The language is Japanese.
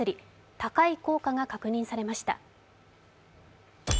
高い効果が確認されました。